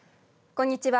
こんにちは。